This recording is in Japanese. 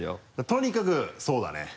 とにかくそうだね。